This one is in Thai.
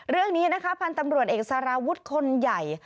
เรื่องนี้นะคะพันธุ์ตำรวจเอกสารวุฒิคนใหญ่